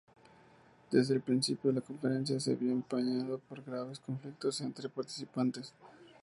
Desde el principio, la conferencia se vio empañado por graves conflictos entre los participantes.